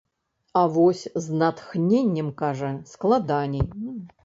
А вось з натхненнем, кажа, складаней.